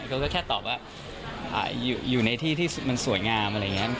เขาก็แค่ตอบว่าอยู่ในที่ที่มันสวยงามอะไรอย่างนี้